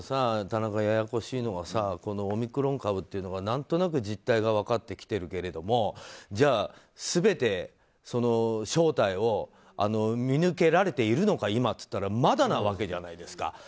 田中、ややこしいのはオミクロン株っていうのが何となく実態が分かってきているけれどもじゃあ全て正体を見抜けられているのか、今と言ったらまだなわけじゃないですか。